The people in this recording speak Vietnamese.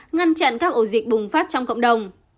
ngăn chặn các ổ dịch bùng phát trong cộng đồng